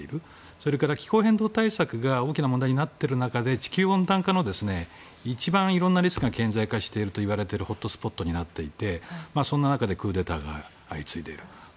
それから気候変動対策が大きな問題になっている中で地球温暖化の一番いろんなリスクが顕在化しているといわれているホットスポットになっていてそんな中でクーデターが相次いでいる。